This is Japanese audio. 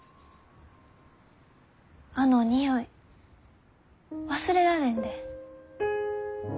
あの匂い忘れられんで。